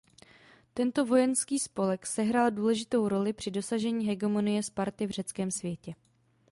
Tento vojenský spolek sehrál důležitou roli při dosažení hegemonie Sparty v Řeckem světě.